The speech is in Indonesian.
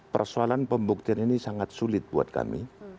persoalan pembuktian ini sangat sulit buat kami